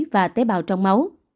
và tế bào trong máu